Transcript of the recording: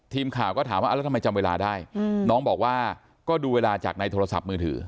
ทีมข่าวก็ถามว่าแล้วทำไมจำเวลาได้น้องบอกว่าก็ดูเวลาจากในโทรศัพท์มือถือ